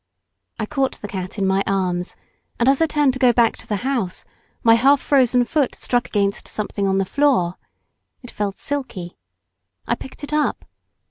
I caught the cat in my arms, and as I turned to go back to the house my half frozen foot struck against something on the floor. It felt silky, I picked it up.